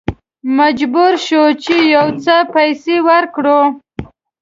مجبور شوو چې یو څه پیسې ورکړو.